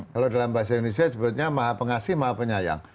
kalau dalam bahasa indonesia sebutnya maha pengasih maha penyayang